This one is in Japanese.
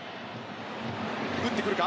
打ってくるか。